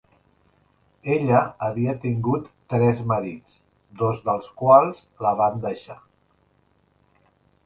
Ella havia tingut tres marits, dos dels quals la van deixar.